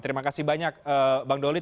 terima kasih banyak bang dolit